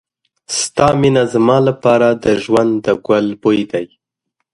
ستا مینه زما لپاره د ژوند د ګل بوی دی.